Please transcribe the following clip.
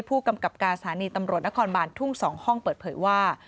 ผู้กำกับการสถานีตำรวจนครบานทุ่ง๒ห้องเปิดเผยว่า